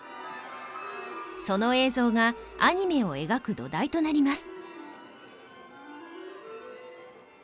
その映像がアニメを描く土台となります。